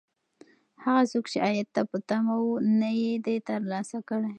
هغه څوک چې عاید ته په تمه و، نه یې دی ترلاسه کړی.